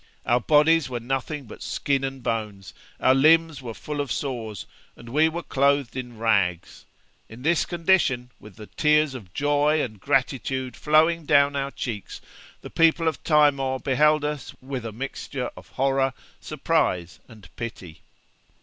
Our bodies were nothing but skin and bones, our limbs were full of sores, and we were clothed in rags, in this condition, with the tears of joy and gratitude flowing down our cheeks, the people of Timor beheld us with a mixture of horror, surprise, and pity.